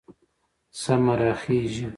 سمه راخېژي